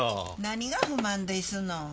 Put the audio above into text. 何が不満ですのん？